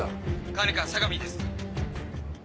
管理官相模です。